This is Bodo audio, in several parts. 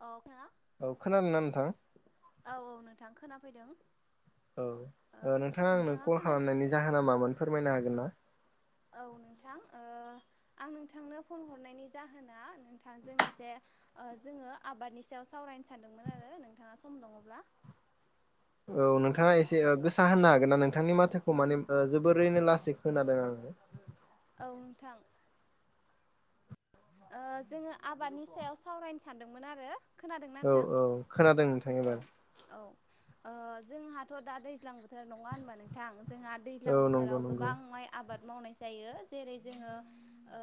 अ। औ खोनादों ना नोंथां। फैदों। औ ओ नोंथाङा आंनोखौ कल खोनादों खालामनायनि जाहोना मामोन फोरमायनो हागोन ना? औ नोंथां ओ आं नोंथांनो फन हरनायनि जाहोना नोंथांजों एसे ओ जोङो आबादनि सायाव सावरायनो सानदोंमोन आरो नोंथाङा सम दङब्ला [unintelligible] औ नोंथाङा एसे गोसा होनना हागोन ना नोंथांनि माथोखौ ओ माने जोबोरैनो लासै खोनादों आं। [unintelligible] औ नोंथां। ओ जोङो आबादनि सायाव सावरायनो सानदोंमोन आरो। खोनादोंना औ नोंथां औ खोनादों नोंथां औ एबार। औ ओ जोंहाथ' दा दैज्लां बोथोर नङा होनबा नोंथां जोंहा औ दैज्लां नंगौ बोथोराव नंगौ गोबां माइ आबाद मावनाय जायो जेरै जोङो ओ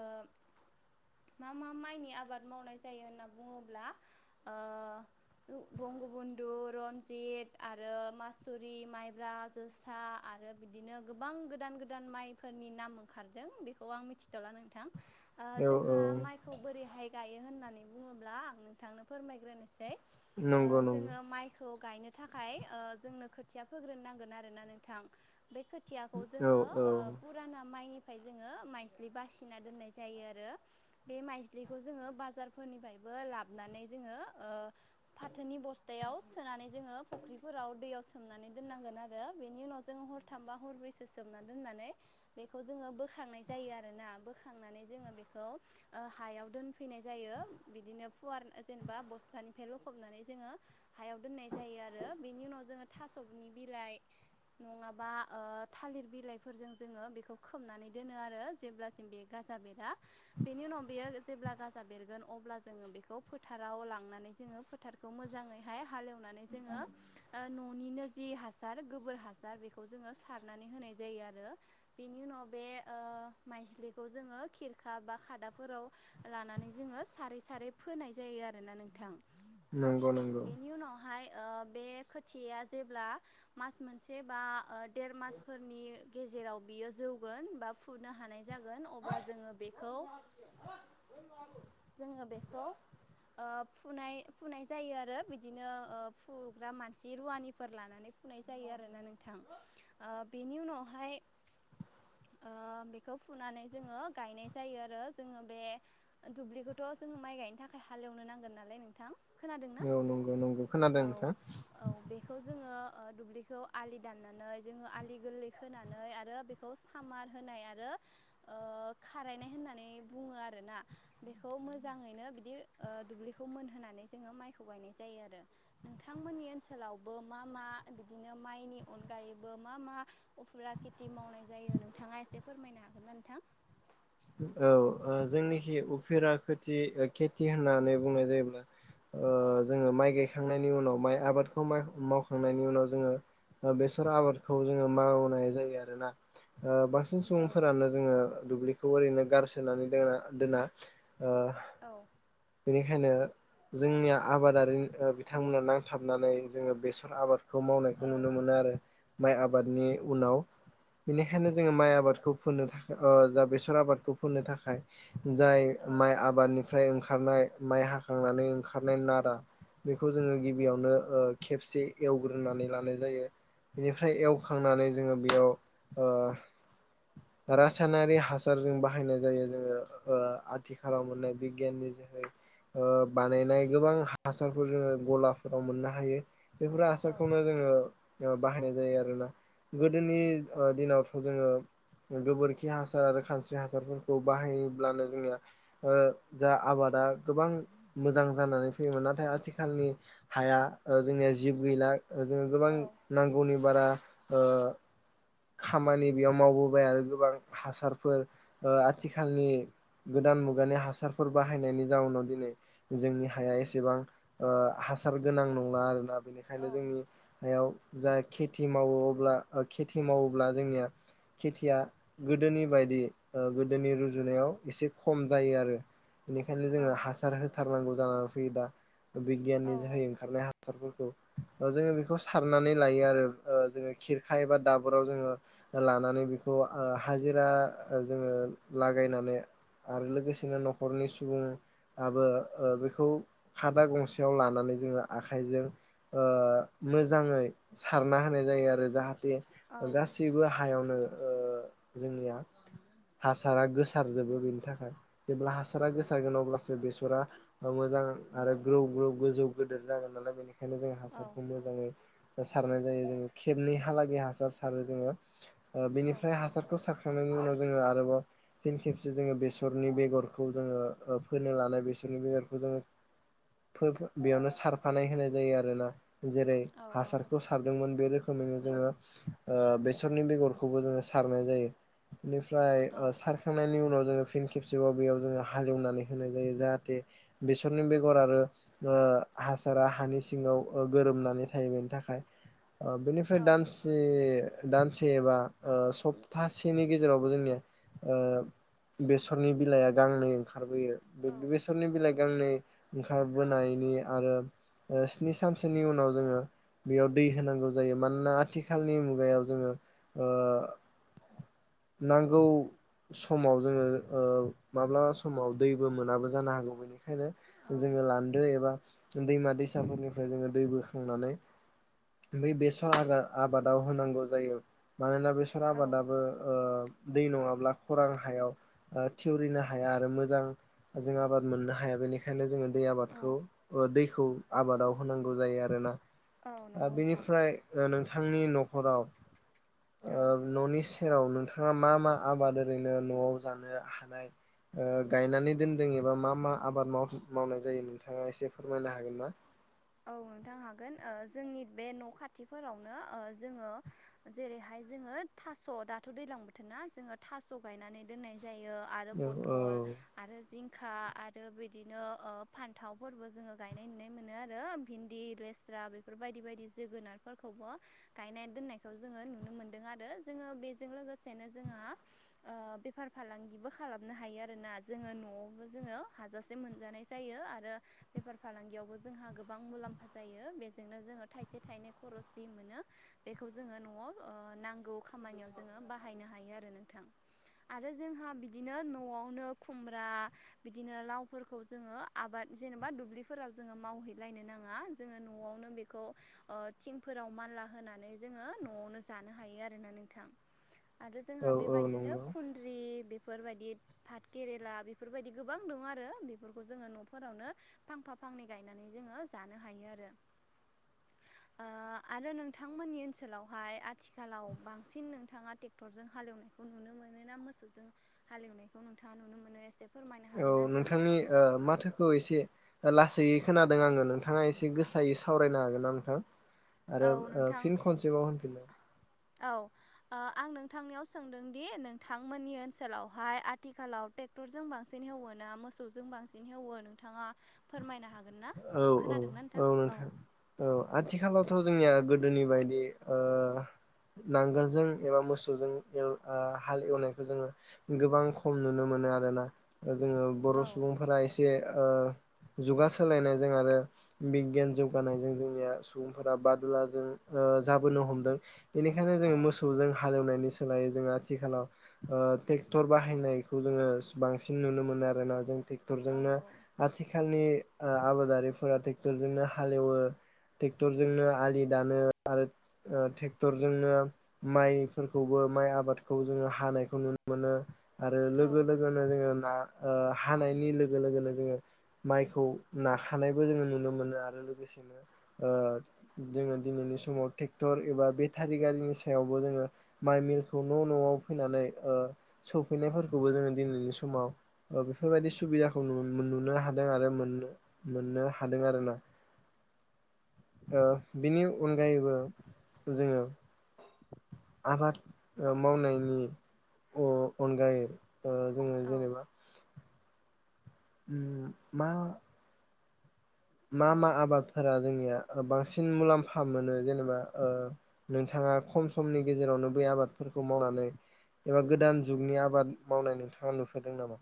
मा मा माइनि आबाद मावनाय जायो होनना बुङोब्ला ओ बु-बंगबन्धु रनजित आरो मासुरि माइब्रा जोसाआय आरो बिदिनो गोबां गोदान गोदान माइफोरनि नाम ओंखारदों बेखौ आं मिथिथ'ला नोंथां। औ जोंहा औ माइखौ बोरैहाय गायो होननानै बुङोब्ला आं नोंथांनो फोरमायग्रोनोसै। ओ नंगौ नंगौ जोङो माइखौ गायनो थाखाय ओ जोंनो खोथिया फोग्रोन नांगोन आरोना नोंथां बे खोथियाखौ औ जोङो औ ओ पुराना माइनिफ्राय जोङो माइज्लि बासिना दोननाय जायो आरो। बे माइस्लिखौ जोङो बाजारफोरनिफ्रायबो लाबनानै जोङो ओ फाथोनि बस्थायाव सोनानै जोङो फुख्रिफोराव दैयाव सोमनानै दोननांगोन आरो बेनि उनाव जों हरथामबा हरब्रैसो सोमना दोननानै बेखौ जोंयो बोखांनाय जायो आरोना बोखांनानै जोंयो बेफ औ। ओ हायाव दोनफैनाय जायो बिदिनो पुवार ओ जेनेबा बस्थानिफ्राय लखबनानै जोङो हायाव दोननाय जायो आरो बेनि उनाव जोङो थास'नि बिलाइ नङाबा ओ थालिर बिलाइफोरजों जोङो बिखौ खोबनानै दोनो आरो जेब्लासिम बेगा जा बेरा बेनि उनाव बियो जेब्ला गाजा बेरगोन अब्ला जोङो बेखौ फोथाराव लांनानै जोङो फोथारखौ मोजाङैहाय हालेव माने जोङो ओ ननिनो जि हासार गोबोर हासार बेखौ जोङो सारनानै होनाय जायो आरो बेनि उनाव बे ओ ओ मायज्लिखौ जोङो खेर खा बा खादाफोराव लानानै जोङो सारै सारै फोनाय जायो आरोना नोंथां। नंगौ नंगौ। बेनि उनावहाय ओ बे खोथियाया जेब्ला मास मोनसे बा ओ देर मासफोरनि गेजेराव बियो जौगोन बा फुनो हानाय जागोन अब्ला जोङो बेखो जोङो बेखौ ओ फुनाय फुनाय जायो आरो बिदिनो ओ फुग्रा मानसि रुवानिफोर लानानै फुनाय जायो आरोना नोंथां ओ बेनि उनावहाय [unintelligible] ओ बेखौ फुनानै जोङो गायनाय जायो आरो जोङो बे दुब्लिखौथ' जोङो माइ गायनो थाखाय हालेवनो नांगोन नालाय नोंथां। खोनादोंना औ नंगौ नंगौ खोनादों औ नोंथां औ बेखौ जोङो ओ दुब्लिखौ आलि दाननानै जोङो आलि गोरलै खोनानै आरो बेखौ सामार होनाय आरो ओ [unintelligible] खारायनाय होननानै बुङो आरो ना बेखौ मोजाङैनो बियो ओ दुब्लिखौ मोनहोनानै जोङो मायखो गायनाय जायो आरो नोंथां मोननि ओनोलावबो मा मा बिदिनो मायनि अन अनगायैबो मा मा उफुरा खेथि मावनाय जायो नोंथाङा एसे फोरमायनो हागोन ना नोंथां? औ ओ जोंनिखै उफेरा खोथि ओ खेथि होननानै बुंनाय जायोब्ला ओ औ जोङो माइ गायखांनायनि उनाव माइ आबादखौ माय मावखांनायनि उनाव जोङो ओ बेसर आबादखौ जोङो मावनाय जायो आरोना। ओ बांसिन औ सुबुंफोरानो जोङो दुब्लिखौ ओरैनो गारसोनानै दोना दोनना। ओ औ बेनिखायनो जोंनिया आबादारि ओ बिथांमोना नांथाबनानै जोङो बेसर आबाद खौ मावनायखौ औ नुनो मोनो आरो माइ आबादनि उनाव। बेनिखायनो जोङो माइ आबादखौ फोनो थाखाय ओ जा बेसर आबादखौ फोनो थाखाय जाय औ माइ आबादनिफ्राय ओंखारनाय माइ हाखांनानै ओंखारनाय नारा बेखौ जोङो औ गिबियावनो ओ खेबसे एवग्रोनानै लानाय जायो। बेनिफ्राय एवखांनानै जोङो बेयाव ओ रासायनारि हासारजों बाहायनाय जायो जोङो ओ आथिखालाव मोननाय बिगियाननि जोहै ओ बानायनाय गोबां हासारफोर जोङो गलाफोराव मोननो हायो। बेफोर औ हासारखौनो जोङो ओ बाहायनाय जायो आरोना गोदोनि ओ दिनावथ' जोङो गोबोरखि हासार आरो खानस्रि हासारफोरखौ बाहायोब्लानो जोंनिआ ओ जा आबाद दा गोबां मोजां जानानै फैयोमोन नाथाय आथिखालनि हाया ओ जोंनिया जिब गैला। ओ जोङो गोबां औ नांगौनि बारा ओ खामानि बेयाव मावबोबाय आरो गोबां हासारफोर ओ आथिखालनि गोदान दान मुगानि हासारफोर बाहायनायनि जाउनाव दिनै जोंनि हाया एसेबां ओ हासार गोनां नङा आरोना बेनिखायनो जोंनि हायाव जा खेथि मावो अब्ला ओ खे थि मावोब्ला जोंनिया खेथिया गोदोनि बायदि ओ गोदोनि रुजुनायाव एसे खम जायो आरो। बेनिखायनो जोङो हासार होथारनांगौ जानानै फैयो दा औ बिगियाननि जोहै ओंखारनाय हासारफोरखौ ओ जोङो बेखौ सारनानै लायो आरो ओ जोङो खिरखाय एबा दाब फोराव जोङो लानानै बेखौ ओ हाजिरा जोङो लागायनानै आरो लोगोसेनो न'खरनि सुबुं आबो ओ बेखौ खादा गंसेयाव लानानै जोङो आखाइजों ओ मोजाङै सारना होनाय जायो आरो जाहाथे औ ओ गासैबो हायावनो‌ ओ जोंनिया हासारा गोसारजोबो बेनि थाखाय जेब्ला हासारा गोसारगोन अब्लासो बेसरा ओ मो जां आरो ग्रौ ग्रौ गोजौ गोदोर जागोन नालाय बेनिखायनो खायनो जोङो औ हासारखौ मोजांयै सारनाय जायो जों खेबनै हालागै हासार सार सारो जोङो ओ औ बेनिफ्राय हासारखौ सारखां खांनायनि उनाव जोङो आरोबाव फिन खेबसे जोङो बेसरनि बेगरखौ जोङो ओ फोनो लानाय बेसर नि बेगरखौ जोङो फो बेयावनो सारफानाय होनाय जायो आरोना। जेरै औ हासारखौ सारदोंमोन बे रोखोमैनो जोङो ओ बेसरनि बेगरखौबो जोयो सारनाय जायो बेनिफ्राय औ ओ सारखांनायनि उनाव जोङो फिन खेबसेबाव बेयाव जोंङो हालेवनानै होनाय जायो जाहाथे बेसरनि बेगर आरो ओ हासारा हानि सिङाव ओ गोरोमनानै थायो बेनि थाखाय। अ बेनिफ्राय औ दानसे दानसे एबा ओ सप्तासेनि गेजेरावबो जोंनिया ओ बेसरनि बिलाइया गांनै ओंखारबोयो बे-बेसरनि बिलाइ गांनै ओंखारबोनाय नि आरो ओ स्नि सानसोनि उनाव जोङो बेयाव दै होनांगौ जायो मानोना आथिखालनि मुग गायाव जोङो ओ नांगौ समाव जोङो ओ माब्लाबा समाव दैबो मोनाबो जानो हागौ बेनिखायनो जोङो लानदो एबा दैमा दैसाफोरनिफ्राय जोङो दै बोखांनानै बै बेसर आगा आबादाव होनांगौ जायो मानोना बेसर औ आबादाबो ओ दै नङाब्ला खरां हायाव थिवरिनो हाया आरो मोजां जों आबाद मोननो हाया बेनिखायनो जोङो दै औ आबादखौ ओ दैखौ आबादाव होनांगौ जायो आरोना। औ नंगौ नोंथां बेनिफ्राय नोंथांनि न'खराव ओ औ ननि इस सेराव नोंथाङा मा मा आबाद ओरैनो न'आव जानो हानाय गायनानै दोनदों एबा मा मा आबाद माव-मावनाय जायो नोंथाङा एसे फोरमायनो हागोन ना औ नोंथां हागोन ओ जोंनि बे न' खाथिफोरावनो ओ जोङो जेरैहाय जोङो थास‌‌' दाथ' दैज्लां बोथोरना जोङो थास‌‌' गायनानै दोननाय जायो आरो औ औ पथल आरो जिं खा आरो बिदिनो फान्थावफोरबो जोङो गायनाय नुनाय मोनो आरो आरो भिन्दि लेस्रा बेफोर बायदि बायदि जोगोनारफोरखौबो गायनाय दोननायखौ जोङो नुनो मोन मोनदों आरो जोङो बेजों लोगोसेनो जोंहा ओ बेफार फालांगिबो खालामनो हायो आर आरोना जोङो न'आवबो जोङो हाजासे मोनजानाय जायो आरो बेफार फालांगियावबो जोंहा गोबां मुलाम्फा जायो बेजोंनो जोङो थाइसे थाइनै खरसि मोनो बेखौ जोङो न'आव ओ नांगौ खामानियाव जोङो बाहायनो हायो आरो नोंथां [inaudible] आरो जोंहा बिदिनो न'आवनो खुमब्रा बिदिनो लावफोरखौ जोङो आबाद ज जेनेबा दुब्लिफोराव जोङो मावहैद लायनो नाङा जोङो न'आवनो बेखौ थिंफोराव मानला होनानै जोङो न'आवनो जा लानो हायो आरोना नोंथां आरो जोंहा औ औ बेबादिनो नंगौ खुनद्रि बेफोरबायदि भात केेरेला बेफोरबायदि गोबां दं आरो बेफोरखौ जोङो न'फोरावनो फांफा फांनै गायनानै जोङो जानो हायो आरो। [inaudible] ओ आरो नोंथांमोननि ओनसोलावहाय आथिखालाव बांसिन नोंथाङा टेक्टरजों हाल‌एवो नुनो मोनो ना मोसौजों हालएवनायखौ नोंथाङा नुनो मोनो एसे फोरमायनो औ हागोन ना नोंथां नोंथांनि ओ माथोखौ एसे लासैयै खोनादों आङो नोंथाङा एसे गोसायै सावरायनो हागोन ना नोंथां? आरो औ ओ नोंथां फिन खनसेबाव होनफिन। औ ओ आं नोंथांनियाव सोंदों दि नोंथांमोननि ओनसोलावहाय आथिखालाव ट्रेक्टरजों बांसिन हेवो ना मोसौजों बांसिन हेवो नोंथाङा फोरमायनो हागोन? औ औ औ नोंथां औ आथिखालावथ' जोंनिया गोदोनि बायदि ओ नांगोलजों एबा मोसौजों ओ हाल एवनायखौ जोङो गोबां खम नुनो मोनो मोनो आरोना। दा जोङो बर' औ सुबुंफोरा एसे ओ जुगा सोलायनायजों आरो बिगियान जौगानायजों जोंनिया सुबुंफोरा बादुला जों ओ जाबोनो हमदों बेनिखायनो औ जोङो मोसौजों हालेवनायनि सोलायो जोङो आथिखालाव ओ ट्रेक्टर बाहायनायखौ जोङो बांसिन नुनो मोनो आरोना। जों ट्रेक्टरजोंनो औ आथिखालनि ओ आबादारिफोरा ट्रेक्टरजोंनो हालेवो ट्रेक्टरजोंनो आलि दानो आरो ओ ट्रेक्टरजोंनो माइफोरखौबो माइ आबादखौ जोङो हानायखौ नुनो मोनो। आरो लोगो औ लोगोनो जोङो ना ओ हानायनि लोगो लोगोनो जोङो माइखौ नाखानायबो जोङो नुनो मोनो आरो लोगोसेनो ओ जोङो दिनैनि समाव ट्रेक्टर एबा बेटारि गारिनि सायावबो जोङो माइ मिलखौ न' न'आव फैनानै ओ सौ फैनायफोरखौबो जोङो दिनैनि समाव ओ बेफोरबायदि सुबिदाखौ नुनो हादों आरो मोननो। मोननो हादों आरोना। ओ बिनि अनगायैबो जोङो आबाद ओ मावनायनि अ-अनगायै ओ जोङो औ जेनेबा उम मा मा औ मा आबादफोरा जोंनि ओ बां मुलाम्फा मोनो। जेनेबा ओ नोंथाङा खम समनि गेजेरावनो बे आबादफोरखौ मावनानै एबा गोदान जुगनि आबाद मावनाय नोंथाङा नुफेरदों नामा?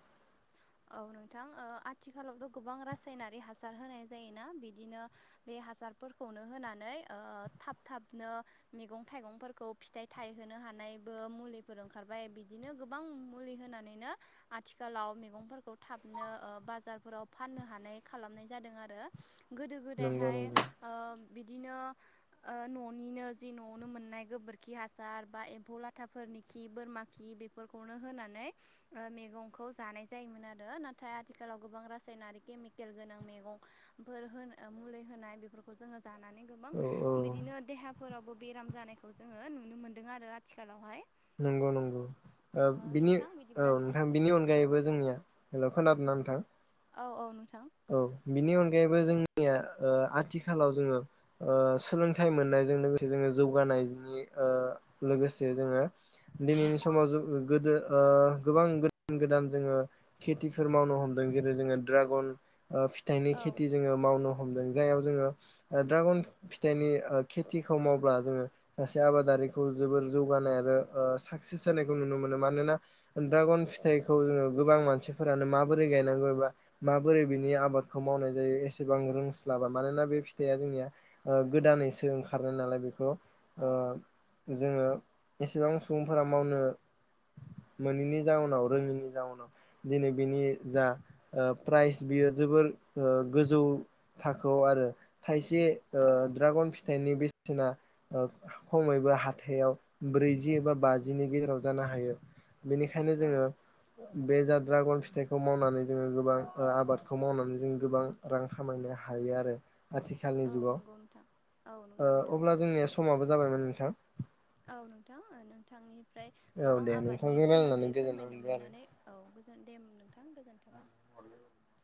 औ नोंथां ओ आथिखालावथ' गोबां रासायनारि हासार होनाय जायोना। बिदिनो बे हासारफोरखौनो होनानै ओ थाब थाबनो मैगं थाइगंफोरखौ फिथाइ थायहोनो हानायबो मुलिफोर ओंखारबाय बिदिनो गोबां मुलि होनानैनो आथिखालाव मैगं थाबनो ओ बाजारफोराव फाननो हानाय खालामनाय जादों आरो। गोदो नंगौ गोदायहाय नंगौ ओ बिदिनो ओ न'निनो जि न'आवनो मोननाय गोबोरखि हासार बा एम्फौ लाथाफोर नि खि बोरमा खि बेफोरखौनो होनानै ओ मैगंखौ जानाय जायोमोन आरो नाथाय आथिखालाव गोबां रासायनारि केमिकेल गोनां मैगं फोर ओ मुलि होनाय बे जोङो जानानै गोबां औ औ बिदिनो देहा फोरावबो बेराम जानायखौ जोङो नुनो मोनदों आरो आथिखालावहाय। नंगौ नंगौ ओ बिनि नोंथां औ बिदिब्ला जों नोंथां बिनि औ अनगायैबो जोंनिया हेलौ खोनादों ना नोंथां? औ औ नोंथां। औ बिनि अनगायैबो जोंनिया ओ आथिखालाव ओ जोङो सोलोंथाइ मोननायजों लोगोसे जोङो जौगानाय [unintelligible] लोगोसे जोङो दिनैनि समाव गोदो ओ गोबां गोदान गोदान जोङो खेथिफोर मावनो हमदों। जेरै जोङो ड्रागन ओ फिथाइनि औ खेथि जोङो मावनो हमदों। जायाव जोङो ओ ड्रागन फिथाइनि ओ खेथिखौ मावब्ला जोङो सासे आबादारिखौ जोबोर जौगानाय आरो ओ साक्सेस जानाय नुनो मोनो। मानोना ड्रागन फिथाइखौ जोङो गोबां मानसिफोरानो माबोरै गायनांगौ एबा माबोरै बिनि आबादखौ मावनाय जायो एसेबां रोंस्लाबा। मानोना बे फिथाइया जोंनिया ओ गोदानै बा गोसो ओंखारनाय नालाय बेखौ ओ औ जोङो एसेबां सुबुंफोरा मावनो [inaudible] मोनैनि जाउनाव रोङैनि जाउनाव दिनै बिनि जा प्राइज बियो जोबोद गोजौ थाखोआव आरो थाइसे ओ औ द्रागन फिथाइनि बे बायदिसिना खमैबो हाथायाव ब्रैजि एबा बाजिनि गेजेराव जानो हायो बेनिखायनो औ जोङो बे जाद्रागन फिथाइखौ मावनानै जोङो गोबां आबादखौ मावनानै जों गोबां रां खामायनो हायो आरो आथिखालनि औ जुगाव नंगौ नोंथां औ ओ नंगौ नोंथां अब्ला जोंनिया समाबो जाबायमोन नोंथां [inaudible] ओमफ्राय औ गोबां दे आबादनि नोंथांजों रायलायनानै सोमोन्दै गोजोननाय फोरमायनो मोनबाय आरो मोननानै औ गोजोन दे नोंथां गोजोन्थों [unintelligible]